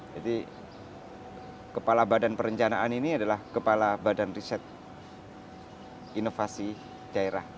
jadi kepala badan perencanaan ini adalah kepala badan riset inovasi jairah